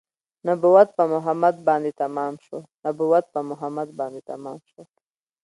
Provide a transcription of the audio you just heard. نبوت په محمد باندې تمام شو نبوت په محمد باندې تمام شو